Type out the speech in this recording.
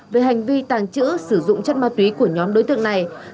về hành vi tàng trữ sử dụng chất ma túy của nhóm đối tượng này